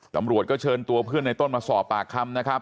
ตำรวจก็เชิญตัวเพื่อนในต้นมาสอบปากคำนะครับ